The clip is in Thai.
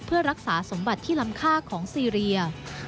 เพื่อรักษาสมบัติที่ลำค่าของซีเรีย